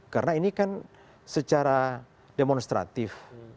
karena ini kan secara demonstratif